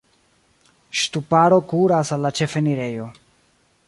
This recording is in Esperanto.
Ŝtuparo kuras al la ĉefenirejo.